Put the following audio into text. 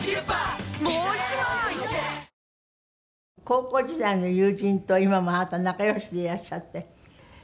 高校時代の友人と今もあなた仲良しでいらっしゃって。